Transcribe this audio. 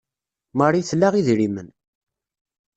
Marie tla idrimen.